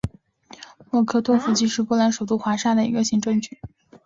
莫科托夫区是波兰首都华沙的一个行政区。